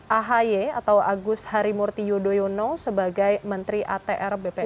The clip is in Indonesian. ahy atau agus harimurti yudhoyono sebagai menteri atr bpn